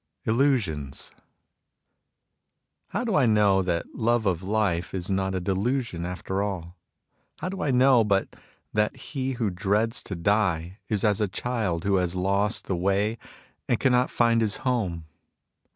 ILLUSIONS How do I know that love of life is not a delusion after all ? How do I know but that he who dreads to die is as a child who has lost the way and cannot find his home